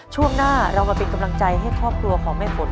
ช่วงหน้าเรามาเป็นกำลังใจให้ครอบครัวของแม่ฝน